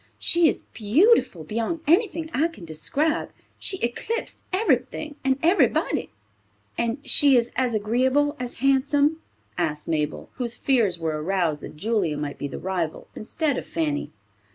She is beautiful beyond anything I can describe. She eclipsed everything and everybody." "And she is as agreeable as handsome?" asked Mabel, whose fears were aroused that Julia might be the rival, instead of Fanny.